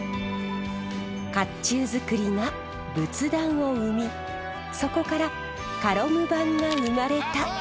甲冑造りが仏壇を生みそこからカロム盤が生まれた。